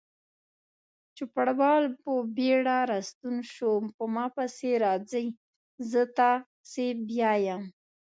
چوپړوال په بیړه راستون شو: په ما پسې راځئ، زه تاسې بیایم.